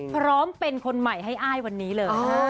เป็นคนใหม่ให้อ้ายวันนี้เลย